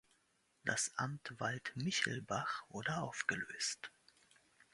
Das Amt Waldmichelbach wurde aufgelöst.